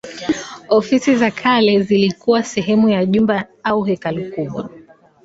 Ofisi za kale zilikuwa sehemu ya jumba au hekalu kubwa.